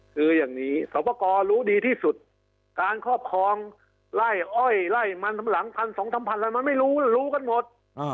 คืออย่างนี้สอบประกอบรู้ดีที่สุดการครอบครองไล่อ้อยไล่มันสำหลังพันสองสามพันอะไรมันไม่รู้รู้กันหมด